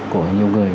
của những người